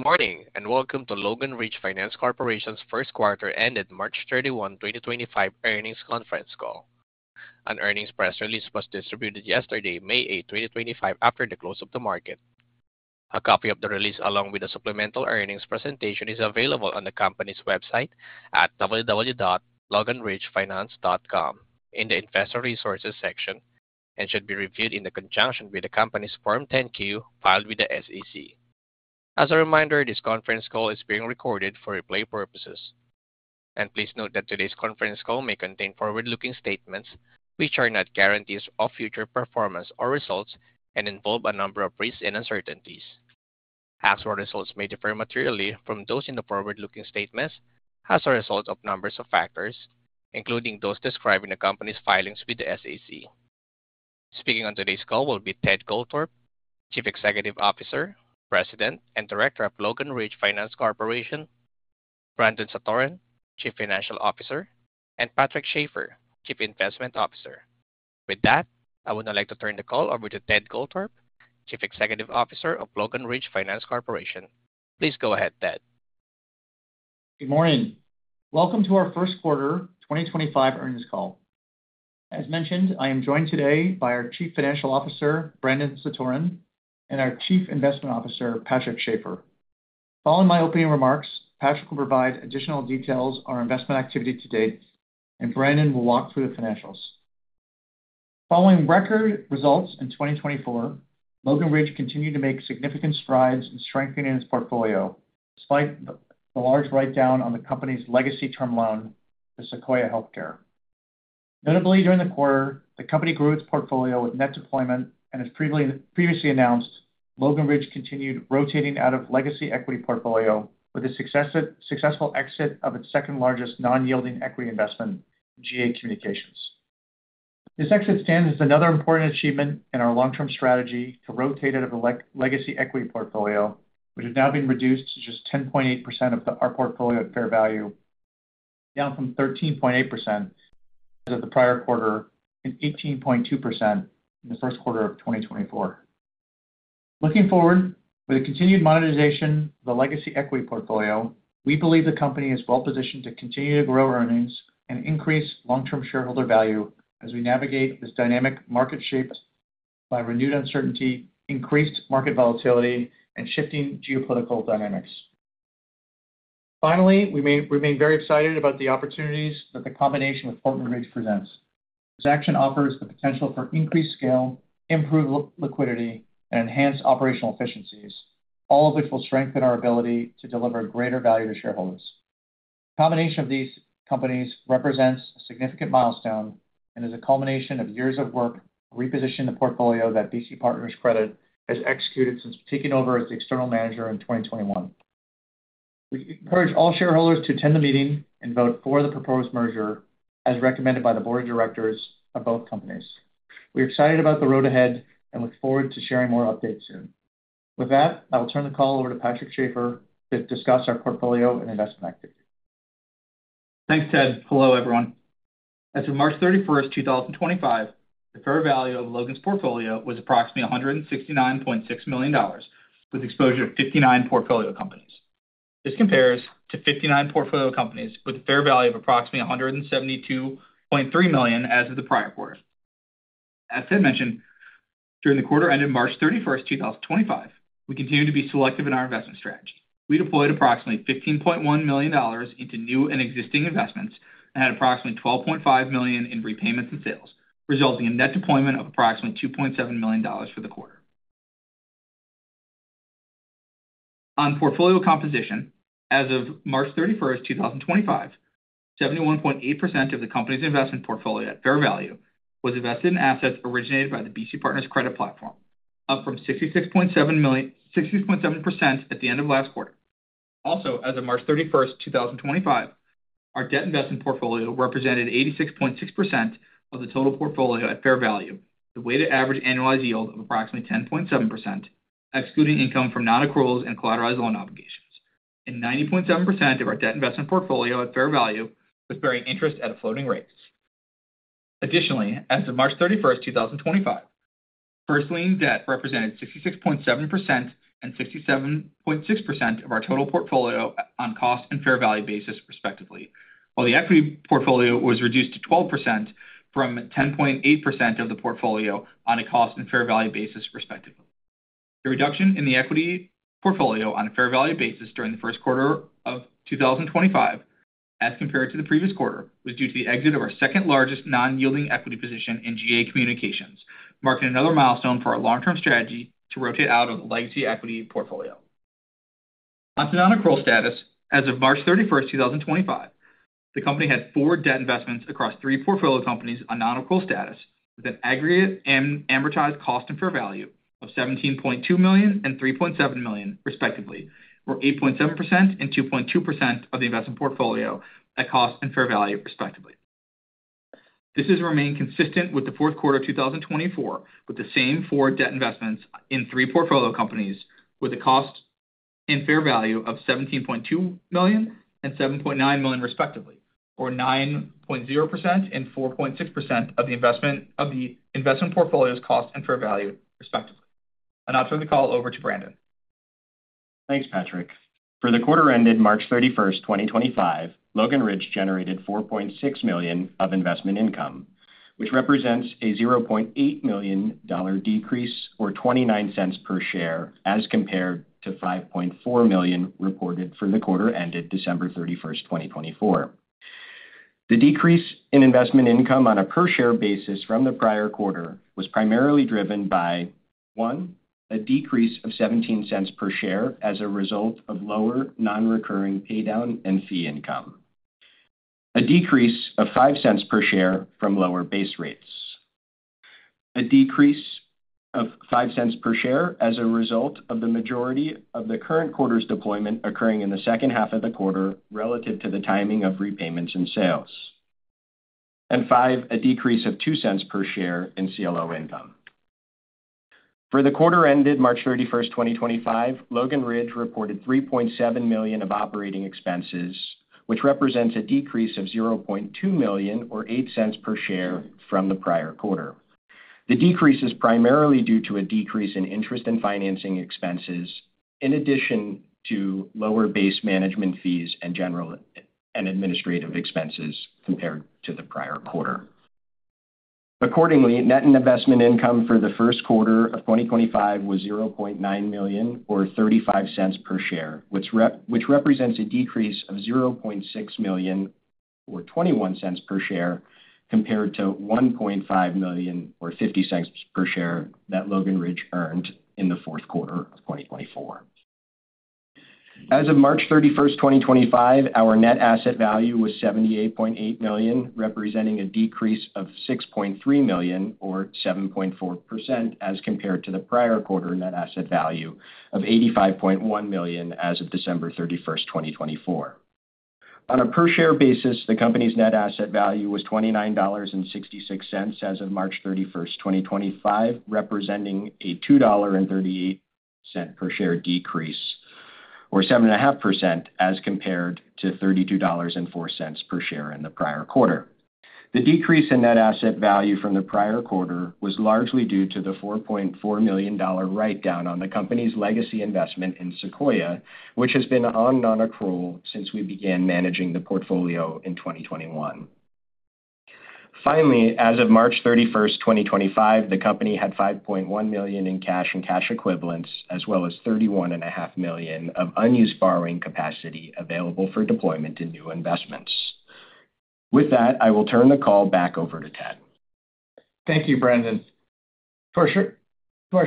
Good morning, and welcome to Logan Ridge Finance Corporation's first quarter-ended, March 31, 2025, earnings conference call. An earnings press release was distributed yesterday, May 8, 2025, after the close of the market. A copy of the release, along with the supplemental earnings presentation, is available on the company's website at www.loganridgefinance.com in the Investor Resources section and should be reviewed in conjunction with the company's Form 10-Q filed with the SEC. As a reminder, this conference call is being recorded for replay purposes. Please note that today's conference call may contain forward-looking statements which are not guarantees of future performance or results and involve a number of risks and uncertainties. As for results, they may differ materially from those in the forward-looking statements as a result of a number of factors, including those described in the company's filings with the SEC. Speaking on today's call will be Ted Goldthorpe, Chief Executive Officer, President and Director of Logan Ridge Finance Corporation, Brandon Satoren, Chief Financial Officer, and Patrick Schafer, Chief Investment Officer. With that, I would now like to turn the call over to Ted Goldthorpe, Chief Executive Officer of Logan Ridge Finance Corporation. Please go ahead, Ted. Good morning. Welcome to our first quarter 2025 earnings call. As mentioned, I am joined today by our Chief Financial Officer, Brandon Satoren, and our Chief Investment Officer, Patrick Schafer. Following my opening remarks, Patrick will provide additional details on our investment activity to date, and Brandon will walk through the financials. Following record results in 2024, Logan Ridge continued to make significant strides in strengthening its portfolio despite the large write-down on the company's legacy term loan, the Sequoia Healthcare. Notably, during the quarter, the company grew its portfolio with net deployment, and as previously announced, Logan Ridge continued rotating out of the legacy equity portfolio with the successful exit of its second-largest non-yielding equity investment, GA Communications. This exit stands as another important achievement in our long-term strategy to rotate out of the legacy equity portfolio, which has now been reduced to just 10.8% of our portfolio at fair value, down from 13.8% as of the prior quarter and 18.2% in the first quarter of 2024. Looking forward, with the continued monetization of the legacy equity portfolio, we believe the company is well-positioned to continue to grow earnings and increase long-term shareholder value as we navigate this dynamic market shaped by renewed uncertainty, increased market volatility, and shifting geopolitical dynamics. Finally, we remain very excited about the opportunities that the combination with Portman Ridge presents. This action offers the potential for increased scale, improved liquidity, and enhanced operational efficiencies, all of which will strengthen our ability to deliver greater value to shareholders. The combination of these companies represents a significant milestone and is a culmination of years of work repositioning the portfolio that BC Partners Credit has executed since taking over as the external manager in 2021. We encourage all shareholders to attend the meeting and vote for the proposed merger as recommended by the board of directors of both companies. We are excited about the road ahead and look forward to sharing more updates soon. With that, I will turn the call over to Patrick Schafer to discuss our portfolio and investment activity. Thanks, Ted. Hello, everyone. As of March 31st, 2025, the fair value of Logan's portfolio was approximately $169.6 million, with exposure to 59 portfolio companies. This compares to 59 portfolio companies with a fair value of approximately $172.3 million as of the prior quarter. As Ted mentioned, during the quarter-ended March 31st, 2025, we continue to be selective in our investment strategy. We deployed approximately $15.1 million into new and existing investments and had approximately $12.5 million in repayments and sales, resulting in net deployment of approximately $2.7 million for the quarter. On portfolio composition, as of March 31st, 2025, 71.8% of the company's investment portfolio at fair value was invested in assets originated by the BC Partners Credit platform, up from 66.7% at the end of last quarter. Also, as of March 31st, 2025, our debt investment portfolio represented 86.6% of the total portfolio at fair value, with a weighted average annualized yield of approximately 10.7%, excluding income from non-accruals and collateralized loan obligations, and 90.7% of our debt investment portfolio at fair value with bearing interest at a floating rate. Additionally, as of March 31st, 2025, first lien debt represented 66.7% and 67.6% of our total portfolio on cost and fair value basis, respectively, while the equity portfolio was reduced to 12% from 10.8% of the portfolio on a cost and fair value basis, respectively. The reduction in the equity portfolio on a fair value basis during the first quarter of 2025, as compared to the previous quarter, was due to the exit of our second-largest non-yielding equity position in GA Communications, marking another milestone for our long-term strategy to rotate out of the legacy equity portfolio. Onto non-accrual status. As of March 31st, 2025, the company had four debt investments across three portfolio companies on non-accrual status, with an aggregate amortized cost and fair value of $17.2 million and $3.7 million, respectively, or 8.7% and 2.2% of the investment portfolio at cost and fair value, respectively. This has remained consistent with the fourth quarter of 2024, with the same four debt investments in three portfolio companies, with a cost and fair value of $17.2 million and $7.9 million, respectively, or 9.0% and 4.6% of the investment portfolio's cost and fair value, respectively. I'll now turn the call over to Brandon. Thanks, Patrick. For the quarter-ended March 31st, 2025, Logan Ridge generated $4.6 million of investment income, which represents a $0.8 million decrease, or $0.29 per share, as compared to $5.4 million reported for the quarter-ended December 31st, 2024. The decrease in investment income on a per-share basis from the prior quarter was primarily driven by: one, a decrease of $0.17 per share as a result of lower non-recurring paydown and fee income; a decrease of $0.05 per share from lower base rates; a decrease of $0.05 per share as a result of the majority of the current quarter's deployment occurring in the second half of the quarter relative to the timing of repayments and sales; and five, a decrease of $0.02 per share in CLO income. For the quarter ended March 31st, 2025, Logan Ridge reported $3.7 million of operating expenses, which represents a decrease of $0.2 million, or $0.08 per share, from the prior quarter. The decrease is primarily due to a decrease in interest and financing expenses, in addition to lower base management fees and general and administrative expenses compared to the prior quarter. Accordingly, net investment income for the first quarter of 2025 was $0.9 million, or $0.35 per share, which represents a decrease of $0.6 million, or $0.21 per share, compared to $1.5 million, or $0.50 per share, that Logan Ridge earned in the fourth quarter of 2024. As of March 31st, 2025, our net asset value was $78.8 million, representing a decrease of $6.3 million, or 7.4%, as compared to the prior quarter net asset value of $85.1 million as of December 31st, 2024. On a per-share basis, the company's net asset value was $29.66 as of March 31, 2025, representing a $2.38 per share decrease, or 7.5%, as compared to $32.04 per share in the prior quarter. The decrease in net asset value from the prior quarter was largely due to the $4.4 million write-down on the company's legacy investment in Sequoia, which has been on non-accrual since we began managing the portfolio in 2021. Finally, as of March 31st, 2025, the company had $5.1 million in cash and cash equivalents, as well as $31.5 million of unused borrowing capacity available for deployment in new investments. With that, I will turn the call back over to Ted. Thank you, Brandon. For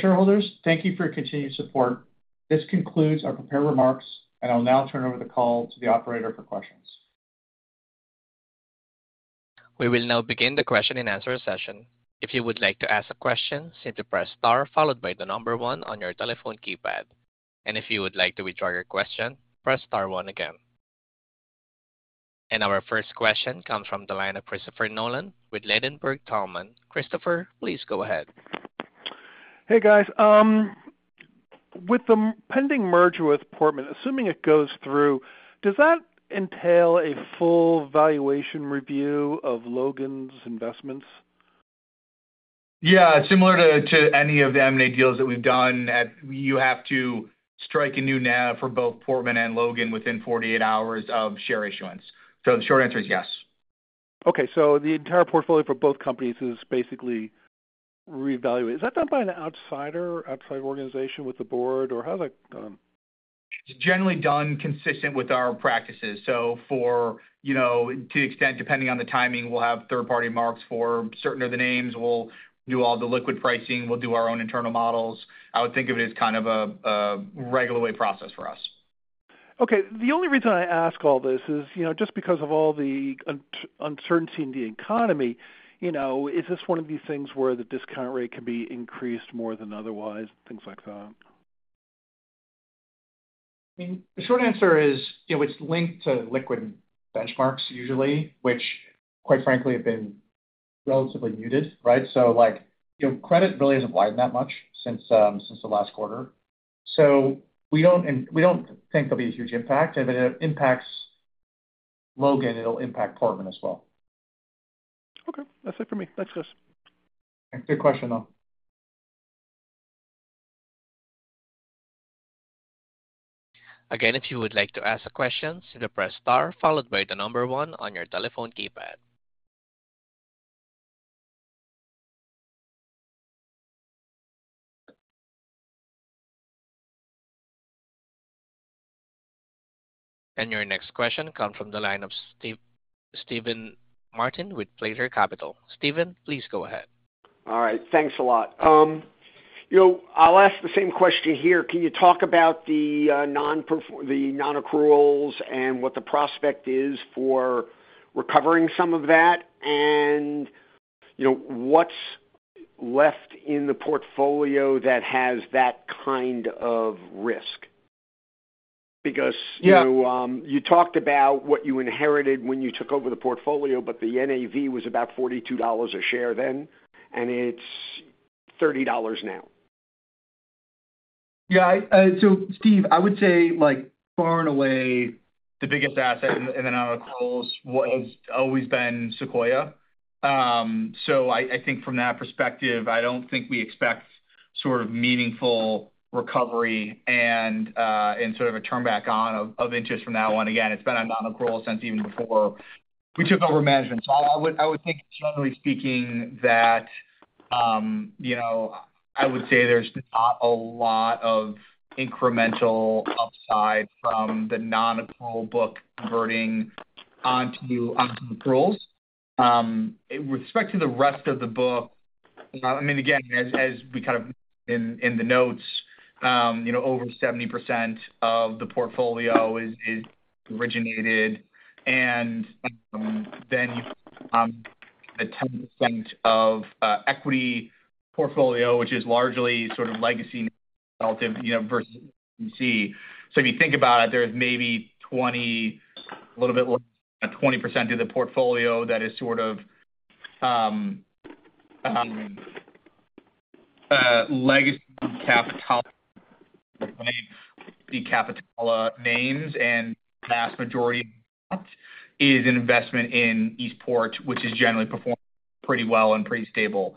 shareholders, thank you for your continued support. This concludes our prepared remarks, and I'll now turn over the call to the operator for questions. We will now begin the question-and-answer session. If you would like to ask a question, simply press star followed by the number one on your telephone keypad. If you would like to withdraw your question, press star one again. Our first question comes from Christopher Nolan with Landenburg Thalmann. Christopher, please go ahead. Hey, guys. With the pending merger with Portman, assuming it goes through, does that entail a full valuation review of Logan's investments? Yeah. Similar to any of the M&A deals that we've done, you have to strike a new NAV for both Portman and Logan within 48 hours of share issuance. So the short answer is yes. Okay. So the entire portfolio for both companies is basically reevaluated. Is that done by an outsider, outside organization with the board, or how's that done? It's generally done consistent with our practices. So to an extent, depending on the timing, we'll have third-party marks for certain of the names. We'll do all the liquid pricing. We'll do our own internal models. I would think of it as kind of a regular way process for us. Okay. The only reason I ask all this is just because of all the uncertainty in the economy. Is this one of these things where the discount rate can be increased more than otherwise, things like that? I mean, the short answer is it's linked to liquid benchmarks, usually, which, quite frankly, have been relatively muted, right? So credit really hasn't widened that much since the last quarter. So we don't think there'll be a huge impact. If it impacts Logan, it'll impact Portman as well. Okay. That's it for me. Thanks, guys. Good question, though. Again, if you would like to ask a question, simply press star followed by the number one on your telephone keypad. Your next question comes from Steven Martin with Slater Capital. Stephen, please go ahead. All right. Thanks a lot. I'll ask the same question here. Can you talk about the non-accruals and what the prospect is for recovering some of that, and what's left in the portfolio that has that kind of risk? Because you talked about what you inherited when you took over the portfolio, but the NAV was about $42 a share then, and it's $30 now. Yeah. So Steve, I would say far and away, the biggest asset in the non-accruals has always been Sequoia. I think from that perspective, I don't think we expect sort of meaningful recovery and sort of a turnback on of interest from that one. Again, it's been a non-accrual since even before we took over management. I would think, generally speaking, that I would say there's not a lot of incremental upside from the non-accrual book converting onto accruals. With respect to the rest of the book, I mean, again, as we kind of in the notes, over 70% of the portfolio is originated, and then you have the 10% of equity portfolio, which is largely sort of legacy relative versus legacy. If you think about it, there's maybe 20, a little bit less than 20% of the portfolio that is sort of legacy capital names, and the vast majority of that is investment in Eastport, which is generally performing pretty well and pretty stable.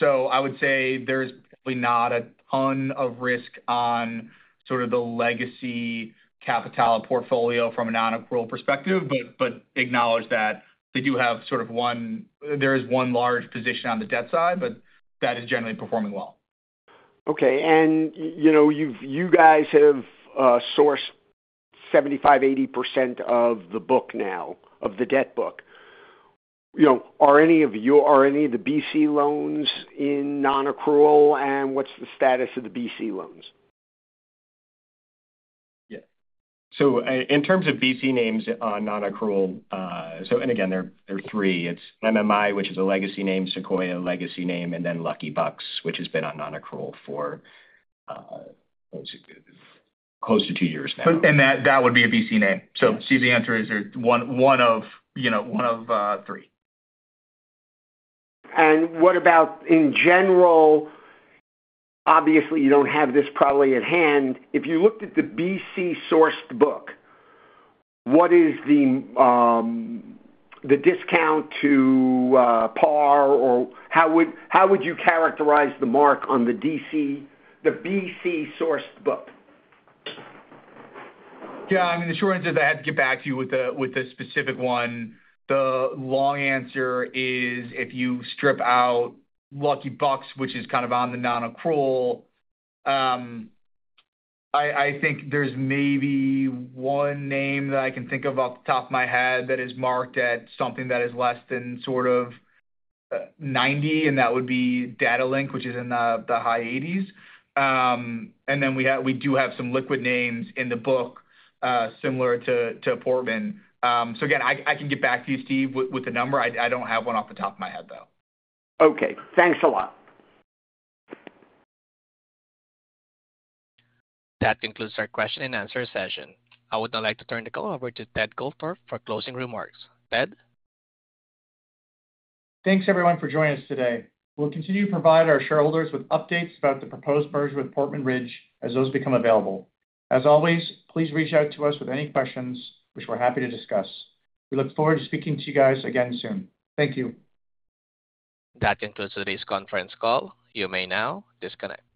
I would say there's probably not a ton of risk on sort of the legacy capital portfolio from a non-accrual perspective, but acknowledge that they do have sort of one, there is one large position on the debt side, but that is generally performing well. Okay. You guys have sourced 75%-80% of the book now, of the debt book. Are any of the BC loans in non-accrual, and what's the status of the BC loans? Yeah. So in terms of BC names on non-accrual, so again, there are three. It's MMI, which is a legacy name, Sequoia, a legacy name, and then Lucky Bucks, which has been on non-accrual for close to two years now. That would be a BC name. Steve, the answer is one of three. What about in general? Obviously, you do not have this probably at hand. If you looked at the BC-sourced book, what is the discount to par, or how would you characterize the mark on the BC-sourced book? Yeah. I mean, the short answer is I have to get back to you with the specific one. The long answer is if you strip out Lucky Bucks, which is kind of on the non-accrual, I think there is maybe one name that I can think of off the top of my head that is marked at something that is less than sort of 90, and that would be Datalink, which is in the high 80s. We do have some liquid names in the book similar to Portman. Again, I can get back to you, Steve, with the number. I don't have one off the top of my head, though. Okay. Thanks a lot. That concludes our question-and-answer session. I would now like to turn the call over to Ted Goldthorpe for closing remarks. Ted? Thanks, everyone, for joining us today. We'll continue to provide our shareholders with updates about the proposed merger with Portman Ridge as those become available. As always, please reach out to us with any questions, which we're happy to discuss. We look forward to speaking to you guys again soon. Thank you. That concludes today's conference call. You may now disconnect.